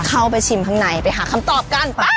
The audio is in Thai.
เข้าไปชิมข้างในไปหาคำตอบกันไป